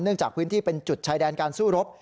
จากพื้นที่เป็นจุดชายแดนการสู้รบ